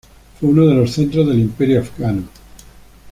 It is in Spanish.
Fue uno de los centros del Imperio afgano.